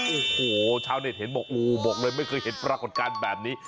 โอ้โหชาวเน็ตเห็นบอกโอ้บอกเลยไม่เคยเห็นปรากฏการณ์แบบนี้